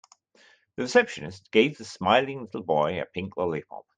The receptionist gave the smiling little boy a pink lollipop.